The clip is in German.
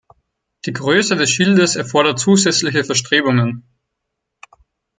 Die Größe des Schildes erforderte zusätzliche Verstrebungen.